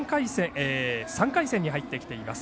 ３回戦に入ってきています。